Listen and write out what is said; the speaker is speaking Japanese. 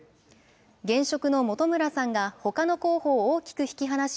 現職の本村さんがほかの候補を大きく引き離し、